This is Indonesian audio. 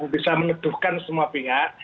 bisa meneduhkan semua pihak